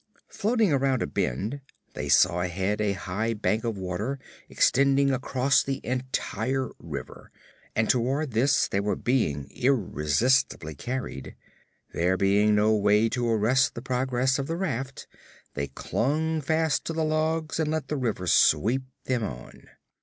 Floating around a bend they saw ahead a high bank of water, extending across the entire river, and toward this they were being irresistibly carried. There being no way to arrest the progress of the raft they clung fast to the logs and let the river sweep them on.